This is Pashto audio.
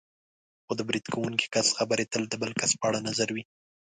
خو د برید کوونکي کس خبرې تل د بل کس په اړه نظر وي.